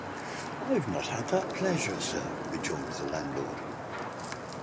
‘I have not had that pleasure, Sir,’ rejoined the landlord.